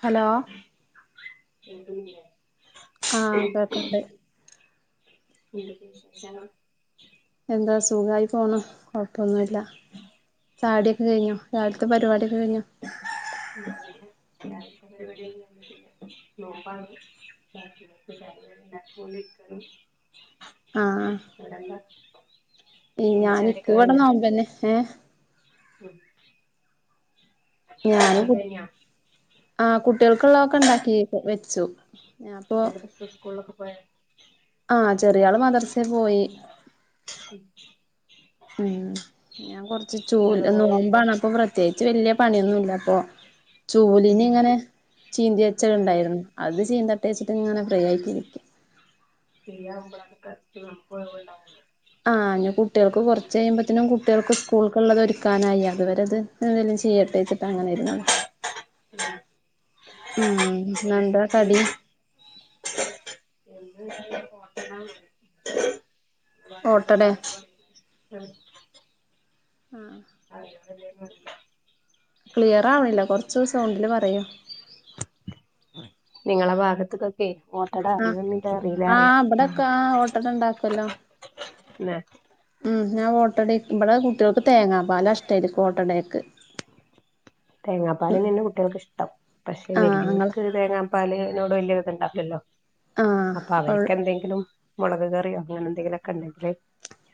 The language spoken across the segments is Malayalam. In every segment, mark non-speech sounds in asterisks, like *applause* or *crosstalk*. ഹലോ കേൾക്ക്ണില്ലേ ആഹ് കേക്കണ്ട് *unintelligible* എന്താ സുഖായി പോണ് കൊഴപ്പൊന്നുല്ല. ചായുടി ഒക്കെ കഴിഞ്ഞോ രാവിൽത്തെ പരിപാടിഒക്കെ കഴിഞ്ഞോ *unintelligible* രാവിലത്തെ പരുപാടി ഒന്നും കഴിഞ്ഞിടില്ല നോമ്പാണ് ഇന്ന് *unintelligible* ആഹ് ആഹ് അവിടെന്താ ഈ ഞാൻ ഇപ്പൊ ഇവടെ നോമ്പന്നെ ഏഹ് ഉം *inaudible* ഞാനും കു കഴിഞ്ഞ ആഹ് കുട്ടികൾക്ക്ള്ളതൊക്കെ ഉണ്ടാക്കി ഇപ്പൊ വെച്ചു ഞാപ്പൊ ഇസ്കൂളക്ക് പോയ ആഹ് ചെറിയാള് മദർസെ പോയി ഉം ഉം ഞാൻ കൊറച്ച് ചുല് നോമ്പണ് അപ്പൊ വ്ർ പ്രത്യേകിച്ച് വല്യ പണിയൊന്നുഇല്ല അപ്പൊ ചൂലിന് ഇങ്ങനെ ചീന്തി വെച്ചത് ഉണ്ടായിരുന്നു. അത് ചീന്തട്ടെ വെച്ചിട്ടിങ്ങനെ ഫ്രീ ആയിട്ടിരിക്കു ശരിയാമ്പളണ് കറക്റ്റ് നമുക്ക്‌ ഉള്ളത് പോലാവില്ലേ ആഹ് ഇനി കുട്ടികൾക്ക് കുറച്ച് കഴിമ്പോത്തനും കുട്ടികൾക്ക് സ്കൂൾക്കുള്ളത് ഒരു ക്കാനായി അതുവരെ ഇത് എന്തെലും ചെയ്യട്ടേവെച്ചിട്ട് അങ്ങനെ ഇരുന്നത് ഉം ഇന്നെന്താ കടി എന്ത്‌ *unintelligible* പോട്ടന്ന് ഓട്ടടെ *unintelligible* ഉം ആഹ് അല്ലാതെ ക്ലിയറാവണില്ല കുറച്ച് സൗണ്ടില് പറയോ നിങ്ങളെ ഭാഗത്തക്കൊക്കെ ഓട്ടട ആഹ് അറിവന്നിട്ട അറില്ലേ അറിയാം ആഹ് ഇബടൊക്കെ ആഹ് ഓട്ടട ഉണ്ടാക്കുവല്ലോ തന്നെ ഉം ഞാൻ ഓട്ടട ഇവട കുട്ടികൾക്ക് തേങ്ങാ പാല ഇഷ്ടം അതിൽക്ക് ഓട്ടടക്ക്. തേങ്ങാപ്പാല ന്നെ കുട്ടികൾക്ക് ഇഷ്ടം പക്ഷെ ആഹ് ഇങ്ങള് വല്യോർക്ക് തേങ്ങാ പാലനോട് വലിയ ഇത് ഉണ്ടാകില്ലല്ലോ ആഹ് അപ്പൊ അവൾ അവർക്കെന്തേങ്കിലും മുളക് കറിയോ അങ്ങനെന്തെങ്കിലുമൊക്കെ ഉണ്ടെങ്കില്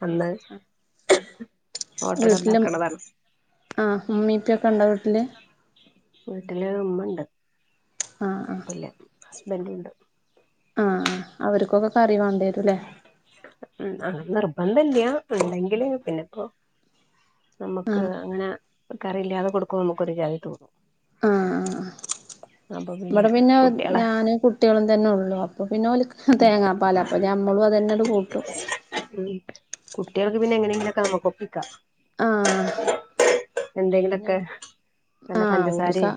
അന്ന് ഓട്ടട വീട്ടിലും ഉണ്ടാക്കണതാണ് ആഹ് ഇമ്മി ഇപ്പിംയൊക്കെ ഉണ്ടോ വീട്ടില് വീട്ടില് ഉമ്മണ്ട് ആഹ് ആഹ് ഉപ്പല്ല ഹസ്ബൻഡ് ഉണ്ട് ആഹ് അഹ അവർക്കൊക്കെ കറി വേണ്ടിവരും ല്ലേ ഉം അങ്ങനെ നിർബന്ധയില്യ ഉണ്ടെങ്കില് പിന്നെപ്പോ നമ്മക്ക് അങ്ങനെ കറിയില്ലാതെ കൊടുക്കുമ്പോ നമുക്കൊരു ജാതി തോന്നും ആഹ് ആഹ് ആഹ അപ്പം ഇവിടെ പിന്നെ ഞാനും കുട്ടികളും തന്നെ ഉള്ളു അപ്പൊ പിന്നെ ഒല്ക്ക്‌ തേങ്ങാപ്പാല അപ്പോ നമ്മളും അത് ന്നെ ആണ് കൂട്ടും ഉം കുട്ടികൾക്ക് പിന്നെ എങ്ങനെയെങ്കിലൊക്കെ നമുക്കൊപ്പിക്കാം. ആഹ് പിന്നെ എന്തെങ്കിലൊക്കെ നല്ല അഹ ഒപ്പിക്കാ പഞ്ചസാരയും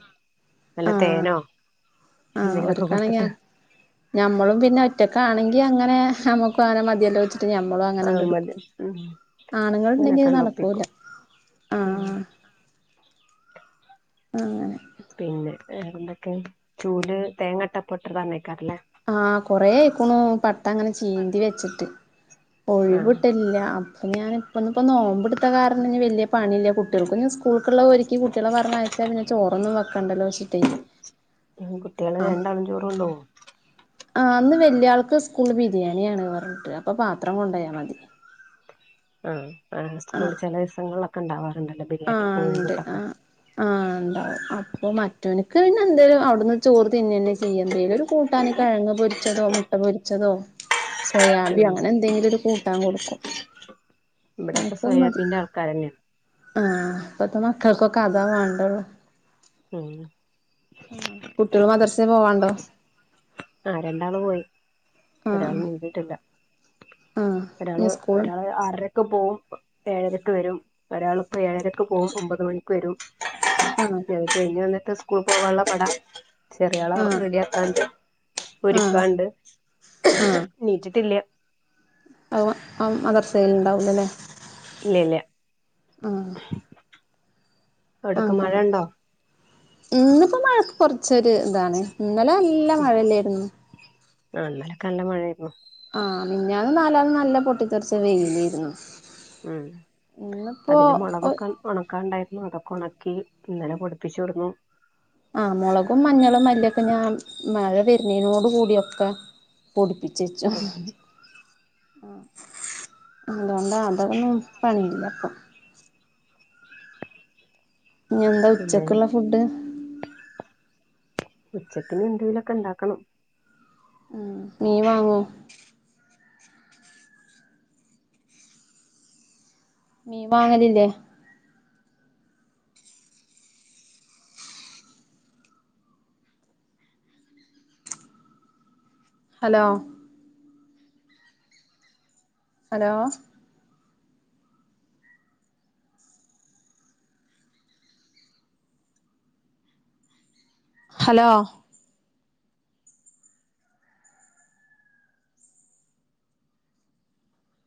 നല്ല ആഹ് തേനോ ആഹ് എന്തെങ്കിലൊക്കെ ഒരുക്കാണെങ്കെ കൊടുത്തിട്ട് ഞമ്മളും പിന്നെ ഒറ്റക്കാണെങ്കി അങ്ങനെ നമ്മുക്ക് അങ്ങനെ മതി എല്ലാം വെച്ചിട്ട്ഞമ്മളും ആ അങ്ങനെണ്ട് മതി എടുക്കും ഉം ആണുങ്ങൾ ഉണ്ടെങ്കി അത് നടക്കൂല അങ്ങനെയൊക്കെണ്ടൊപ്പിക്കും ഉം ആഹ് അങ്ങനെ പിന്നെ എന്തൊക്കെ ചൂല് തേങ്ങ ഇട്ടപ്പൊ ഇട്ടതന്നേക്കാറല്ലേ ആഹ് കൊറെ ആയിക്കണു പട്ട അങ്ങനെ ചീന്തി വെച്ചിട്ട് ആഹ് ഒഴിവിട്ടിലില്ല ഇപ്പൊ ഞാനിപ്പൊന്നപ്പോ നോമ്പടുത്ത കാരണം വല്യ പണില്ല കുട്ടികൾക്ക്‌ പിന്ന സ്കൂൾക്കുള്ള ഒരുക്കി കുട്ടികളെ പറഞ്ഞയച്ചാ പിന്ന ചോറൊന്നും വെക്കണ്ടല്ലോച്ചിട്ടേ. ഉം കുട്ടികള് രണ്ടാളും ചോർ കൊണ്ടോ വോ ആഹ് അന്ന് വലിയ ആൾക്ക് സ്കൂളിൽ ബിരിയാണിയാണ് പറഞ്ഞിട്ട് അപ്പ പാത്രം കൊണ്ടായാമതി ആഹ് ആഹ് സ്കൂളിൽ ചില ദിവസങ്ങളിലൊക്കെ ഉണ്ടാവാറുണ്ടല്ലേ ആഹ് ഉണ്ട് ആ ആഹ് ഉണ്ടാവും അപ്പൊ മറ്റവനിക്ക് പിന്നെ എന്തേലും അ അവിന്ന് ചോറ്തിന്നന്നെ ചെയ്യ എന്ത് ചെയല ഒരു കൂട്ടാനോ കിഴങ്ങ് പൊരിച്ചതോ മുട്ട പൊരിച്ചതോ സോയാബി ഉം അങ്ങനെ എന്തെങ്കിലും ഒരു കൂട്ടാൻ കൊടുക്കും ഓനിക്ക് അതുമതി കൊഴങ്ങ് ആഹ ഇപ്പഴ്ത്ത മക്കൾക്കൊക്കെ അഥാ വേണ്ടുള്ളൂ. ഉം ആഹ് കുട്ടാള് മദർസെ പോവാണ്ടോ ആഹ് രണ്ടാള് പോയി ഒരാള് ആഹ് നീച്ചിട്ടില്ല ആഹ് ഇനി ഒരാള് സ്കൂൾ ഒരാള് ആറര ക്ക് പോകും ഏഴരക്ക് വരും ഒരാളിപ്പോ ഏഴരക്ക് പോകും ഒമ്പത് മണിക്ക് വരും ആഹ് അഹ് കയ്ഞ്ഞ് വന്നിട്ട് സ്കൂൾക്കോവാള്ള പട ചെറിയാള ഒർ ആഹ് റെഡിയാക്കാണ്ട് ആഹ് ഒര്ക്കാണ്ട് നീറ്റിട്ടില്യ അഹ് മ അം മദ്രസേല്ണ്ടാവൂലലെ ഇല്ലഇല്ല അങ്ങനെ ഇന്ന് പ്പ മഴക്ക് കൊർച്ചൊരുതാണ്. ഇന്നലെ നല്ല മഴല്ലേര്ന്നു ആഹ് ന്നലൊക്കല്ല മഴയാര്ന്നു ആഹ് മിഞ്ഞാന്നും നാലാന്നും നല്ല പൊട്ടിത്തെറ്ച്ച വെയിലേര്ന്നു ഉം ഇന്ന്പ്പോ ഒ ഒണക്കാണ്ടായിരുന്നു അതൊക്കെണക്കി ഇന്നന്നെ പൊടിപ്പിചൊട്ന്നു ആഹ് മൊളകും മഞ്ഞളും മല്ലിയൊക്കെ ഞാൻ മഴ വെര്നിനോട് കൂടിയൊക്കെ പൊടിപ്പിച്ചച്ചു. ആഹ് അതൊണ്ടാണ് അതൊന്നും പണിയില്ലപ്പം ഞ്ഞെന്താ പിന്നെ ഉച്ചക്ക്ള്ള ഫുഡ് ഉച്ചക്ക്ഞ്ഞ്യെന്തേലൊക്കെ ണ്ടാക്കണം ആഹ് മീൻ വാങ്ങോ മീൻ മാങ്ങലില്ലേ ഹലോ ഹലോ ഹലോ